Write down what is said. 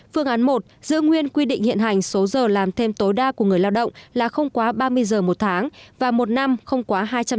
phương án một giữ nguyên quy định hiện hành số giờ làm thêm tối đa của người lao động là không quá ba mươi giờ một tháng và một năm không quá hai trăm linh